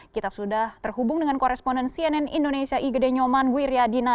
kita sudah terhubung dengan koresponden cnn indonesia igede nyoman wiryadina